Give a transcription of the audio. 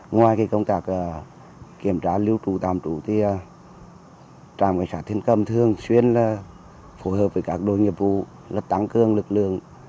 ngoài công tác kiểm tra lưu trụ tàm trụ thì trạm ngoại sát thiên cầm thường xuyên phối hợp với các đối nghiệp vụ tăng cường lực lượng